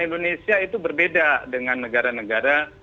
indonesia itu berbeda dengan negara negara